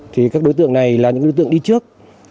thì các đối tượng này là những đối tượng đi trước